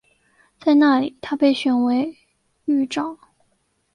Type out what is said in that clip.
在那里他被选为狱长。